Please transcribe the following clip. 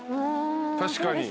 確かに。